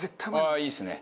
いいっすね。